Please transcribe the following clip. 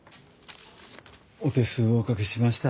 ・お手数おかけしました。